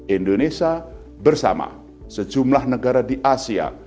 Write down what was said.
indonesia bersama sejumlah negara di asia